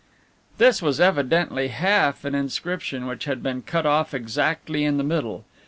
This was evidently half an inscription which had been cut off exactly in the middle.